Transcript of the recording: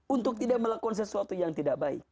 untuk tidak melakukan sesuatu yang tidak baik